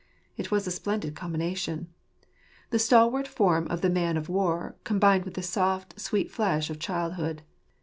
,, It was a splendid combination ! The stalwart form of the man of war combined with the soft, sweet flesh of childhood.